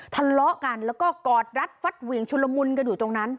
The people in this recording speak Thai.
ทะเลาะกันแล้วก็กอดรัดฟัดเหวี่ยงชุลมุนกันอยู่ตรงนั้น